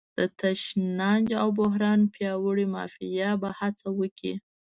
د تشنج او بحران پیاوړې مافیا به هڅه وکړي.